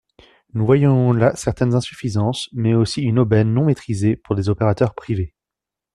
Nous voyons là certaines insuffisances mais aussi une aubaine non maîtrisée pour des opérateurs privés.